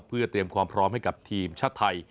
เพื่อเตรียมความพร้อมให้กับทีมชาติไทย